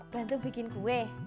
bantu bikin kue